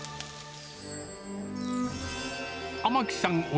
天城さん